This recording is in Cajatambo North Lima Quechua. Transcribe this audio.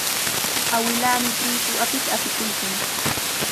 Awilaami triqu apita apikuykan.